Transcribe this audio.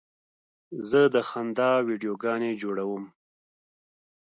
زه د خندا ویډیوګانې جوړوم.